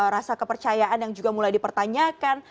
rasa kepercayaan yang juga mulai dipertanyakan